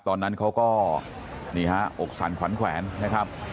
ตอนนั้นเขาก็นี่ฮะอกสั่นขวัญแขวนนะครับ